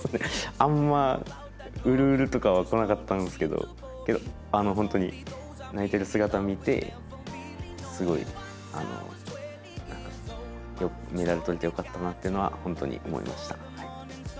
あんまうるうるとかは来なかったんですけどけどあの本当に泣いてる姿を見てすごい何かメダルとれてよかったなっていうのは本当に思いました。